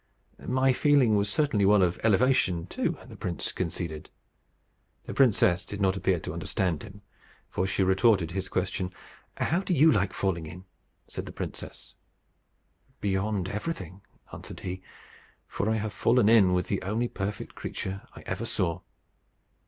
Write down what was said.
"My feeling was certainly one of elevation too," the prince conceded. The princess did not appear to understand him, for she retorted his question: "How do you like falling in?" said the princess. "Beyond everything," answered he; "for I have fallen in with the only perfect creature I ever saw."